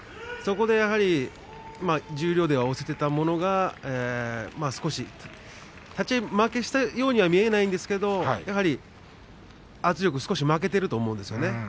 そこでやはり十両では、押せていたものが立ち合い負けしたようには見えないんですけどやはり圧力、少し負けていると思うんですよね。